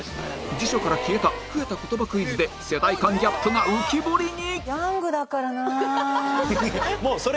辞書から消えた増えた言葉クイズで世代間ギャップが浮き彫りに！